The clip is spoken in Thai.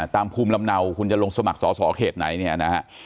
ภูมิลำเนาคุณจะลงสมัครสอสอเขตไหนเนี่ยนะฮะ